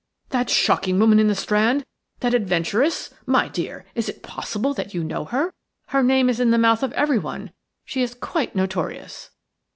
"That shocking woman in the Strand – that adventuress? My dear, is it possible that you know her? Her name is in the mouth of everyone. She is quite notorious."